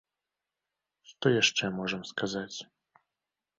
Што яшчэ можам сказаць?